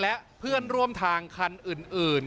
และเพื่อนร่วมทางคันอื่น